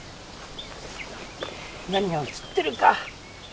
何が映ってるか。